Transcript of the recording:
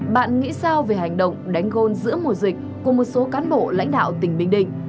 bạn nghĩ sao về hành động đánh gôn giữa mùa dịch của một số cán bộ lãnh đạo tỉnh bình định